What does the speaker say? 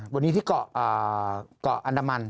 วันนี้ที่เกาะเกาะอันดามัน